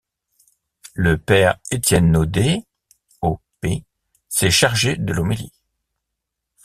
Le père Étienne Nodet, o.p., s'est chargé de l'homélie.